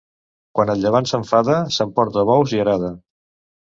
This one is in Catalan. Quan el llevant s'enfada s'emporta bous i arada.